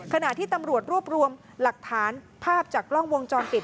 ขณะที่ตำรวจรวบรวมหลักฐานภาพจากกล้องวงจรปิด